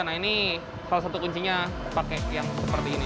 nah ini salah satu kuncinya pakai yang seperti ini